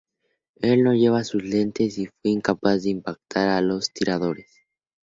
Él no llevaba sus lentes y fue incapaz de impactar a los tiradores.